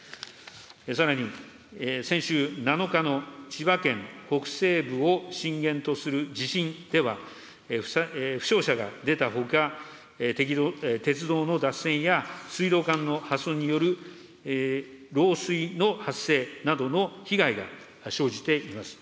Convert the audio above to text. さらに、先週７日の千葉県北西部を震源とする地震では、負傷者が出たほか、鉄道の脱線や水道管の破損による漏水の発生などの被害が生じています。